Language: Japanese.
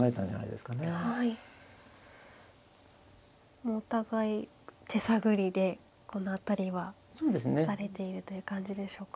もうお互い手探りでこの辺りは指されているという感じでしょうか。